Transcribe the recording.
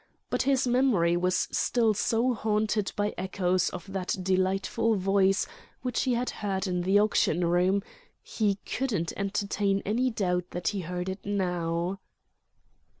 But his memory was still so haunted by echoes of that delightful voice which he had heard in the auction room, he couldn't entertain any doubt that he heard it now.